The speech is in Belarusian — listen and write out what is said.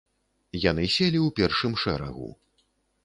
Яны селі ў першым шэрагу.